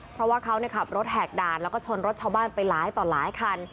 เพราะว่าเขาขับรถแหกด่านแล้วก็ชนรถชาวบ้านไปหลายต่อหลายคัน